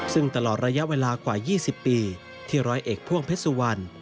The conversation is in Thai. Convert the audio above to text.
ซึ่งตลอดระยะเวลากว่า๒๐ปีที่ร้อยเอกพ่วงเพชรสุวรรณ